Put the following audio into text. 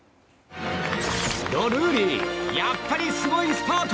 ドルーリーやっぱりすごいスパート！